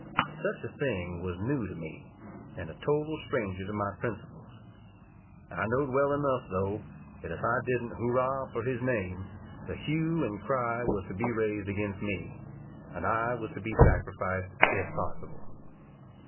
Such a thing was new to me, and a total stranger to my principles. I know'd well enough, though, that if I didn't "hurra" for his name, the hue and cry was to be raised against me, and I was to be sacrificed, if possible.